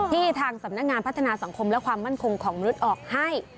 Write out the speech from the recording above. ทางสำนักงานพัฒนาสังคมและความมั่นคงของมนุษย์ออกให้